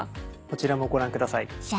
こちらもご覧ください。